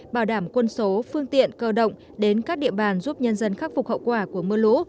bảo đảm quân số phương tiện cơ động đến các địa bàn giúp nhân dân khắc phục hậu quả của mưa lũ